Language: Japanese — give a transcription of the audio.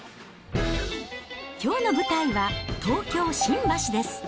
きょうの舞台は、東京・新橋です。